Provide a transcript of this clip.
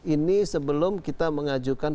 ini sebelum kita mengajukan